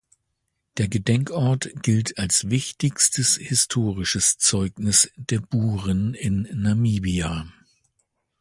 Der Gedenkort gilt als wichtigstes historisches Zeugnis der Buren in Namibia.